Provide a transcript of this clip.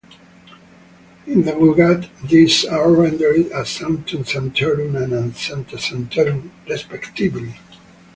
In the Vulgate, these are rendered as "sanctum sanctorum" and "sancta sanctorum", respectively.